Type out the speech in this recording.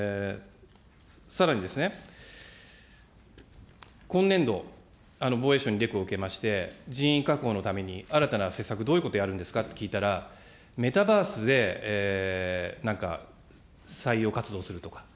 さらにですね、今年度、防衛省にレクを受けまして、人員確保のために新たな施策、どういうことやるんですかと聞いたら、メタバースで、なんか、採用活動をするとか。